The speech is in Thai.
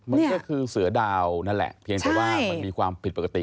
มันก็คือเสือดาวนั่นแหละเพียงแต่ว่ามันมีความผิดปกติ